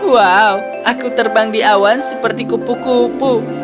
wow aku terbang di awan seperti kupu kupu